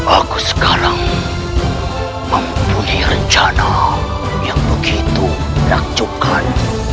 aku sekarang mempunyai rencana yang begitu menakjubkan